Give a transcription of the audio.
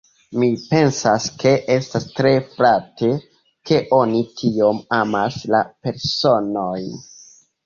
Mi pensas ke estas tre flate, ke oni tiom amas la personojn.